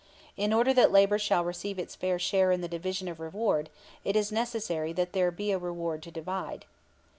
In order that labor shall receive its fair share in the division of reward it is necessary that there be a reward to divide.